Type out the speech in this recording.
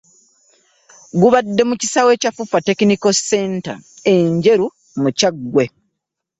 Gubadde mu kisaawe kya Fufa Technical Center e Njeru mu Kyaggwe.